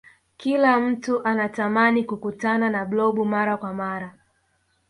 kila mtu anatamani kukutana na blob mara kwa mara